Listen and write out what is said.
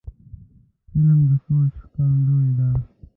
فلم د سوچ ښکارندوی دی